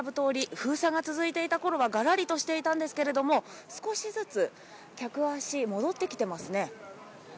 封鎖が続いていたころは、がらりとしていたんですけれども、少しずつ、客足、戻ってきてますね。